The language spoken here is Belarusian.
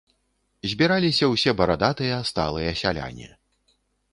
Збіраліся ўсе барадатыя сталыя сяляне.